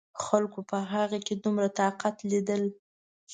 خلکو په هغه کې دومره طاقت لیدل.